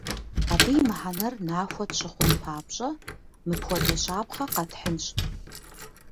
Абы и мыхьэнэр нахуэ тщыхъун папщӏэ, мыпхуэдэ щапхъэ къэтхьынщ.